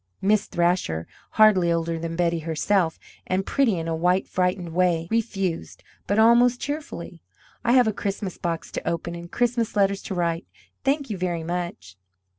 Miss Thrasher, hardly older than Betty herself, and pretty in a white frightened way, refused, but almost cheerfully. "I have a Christmas box to open and Christmas letters to write. Thank you very much."